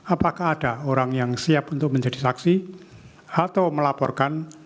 apakah ada orang yang siap untuk menjadi saksi atau melaporkan